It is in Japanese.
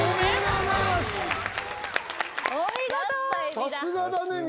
さすがだねみ